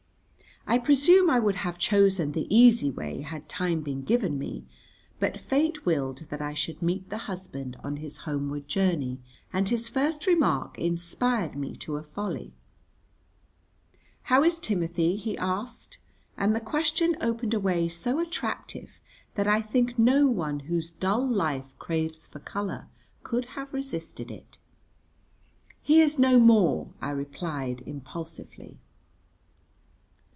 I presume I would have chosen the easy way had time been given me, but fate willed that I should meet the husband on his homeward journey, and his first remark inspired me to a folly. "How is Timothy?" he asked; and the question opened a way so attractive that I think no one whose dull life craves for colour could have resisted it. "He is no more," I replied impulsively.